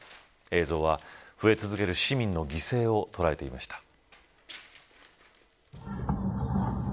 映像は、増え続ける市民の犠牲を捉えていました。